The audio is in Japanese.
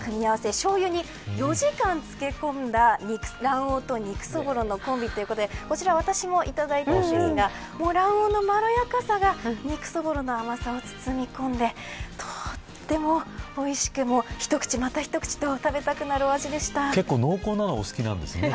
しょうゆに４時間漬け込んだ卵黄と肉そぼろのコンビということでこちら、私もいただいたんですが卵黄のまろやかさが肉そぼろの甘さを包み込んでとてもおいしく、一口また一口と結構濃厚なのが大好きなんですね。